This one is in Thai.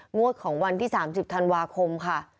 งวดของวันที่สามสิบธันวาคมค่ะ